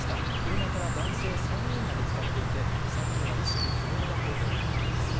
車から男性３人が見つかっていて、３人は意識不明だということです。